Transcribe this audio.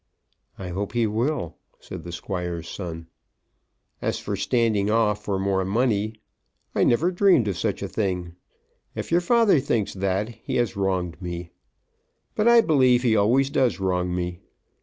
"I hope he will," said the Squire's son. "As for standing off for more money, I never dreamed of such a thing. If your father thinks that, he has wronged me. But I believe he always does wrong me.